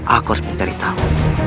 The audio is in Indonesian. aku harus mencari tahu